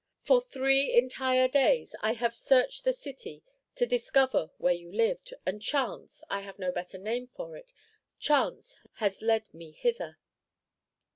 For three entire days I have searched the city to discover where you lived, and chance I have no better name for it chance has led me hither."